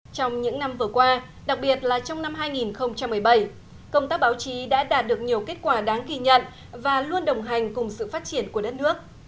trong những năm vừa qua đặc biệt là trong năm hai nghìn một mươi bảy công tác báo chí đã đạt được nhiều kết quả đáng ghi nhận và luôn đồng hành cùng sự phát triển của đất nước